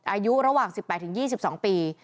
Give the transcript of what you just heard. อายุระหว่าง๑๘๒๒ปี